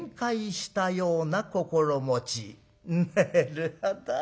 なるほど。